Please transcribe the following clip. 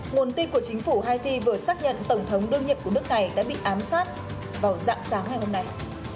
nguồn tin của chính phủ haiti vừa xác nhận tổng thống đương nhiệm của nước này đã bị ám sát vào dạng sáng ngày hôm nay